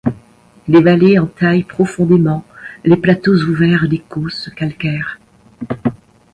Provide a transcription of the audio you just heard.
Les vallées entaillent profondément les plateaux ouverts des causses calcaires.